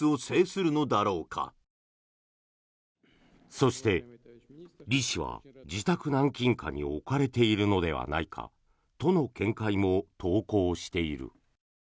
そして、リ氏は自宅軟禁下に置かれているのではないかとの見解も投稿している。